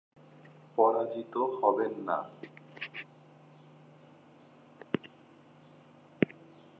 পরাজিত হবে না।